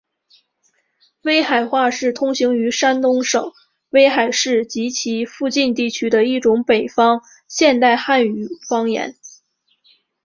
威海话是通行于山东省威海市及其附近地区的一种北方现代汉语方言。